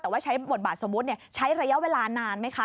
แต่ว่าใช้บทบาทสมมุติใช้ระยะเวลานานไหมคะ